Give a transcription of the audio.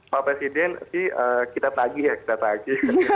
pak presiden sih kita tagih ya kita tagih